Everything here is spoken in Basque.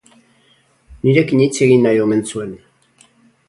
Nirekin hitz egin nahi omen zuen.